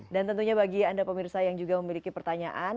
dan tentunya bagi anda pemirsa yang juga memiliki pertanyaan